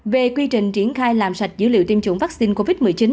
về quy trình triển khai làm sạch dữ liệu tiêm chủng vaccine covid một mươi chín